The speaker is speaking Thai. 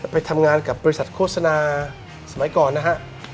ไปทำงานกับบริษัทโฆษณาสมัยก่อนนะฮะ